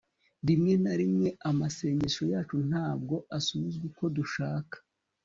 rimwe na rimwe amasengesho yacu ntabwo asubizwa uko dushaka